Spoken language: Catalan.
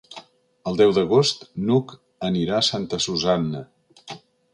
El deu d'agost n'Hug anirà a Santa Susanna.